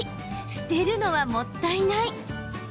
捨てるのはもったいない！